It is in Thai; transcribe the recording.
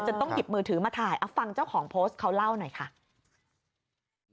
ต้องหยิบมือถือมาถ่ายเอาฟังเจ้าของโพสต์เขาเล่าหน่อยค่ะ